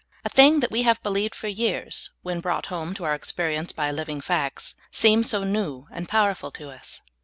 A thing that we have believed for years, when brought home to our experience by living facts, seems .so new and powder ful to us.